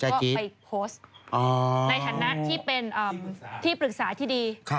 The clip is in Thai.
ในฐานะที่เป็นที่ปรึกษาที่ดี